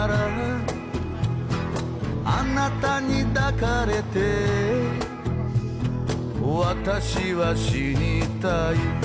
「あなたに抱かれて私は死にたい」